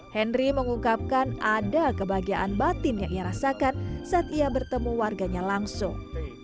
henry mengungkapkan ada kebahagiaan batin yang ia rasakan saat ia bertemu warganya langsung